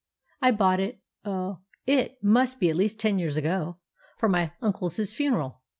I bought it—oh, it must be at least ten years ago—for my uncle's funeral.